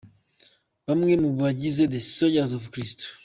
Bamwe mu bagize The Soldiers of Christ.